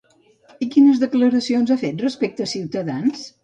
I quines declaracions ha fet respecte Ciutadans?